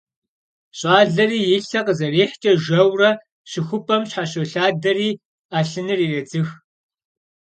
Ş'aleri yi lhe khızerihç'e jjeure şıxup'em şheşolhaderi 'elhınır yirêdzıx.